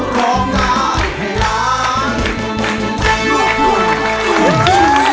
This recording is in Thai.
รับแล้ว๑๐๐๐บาท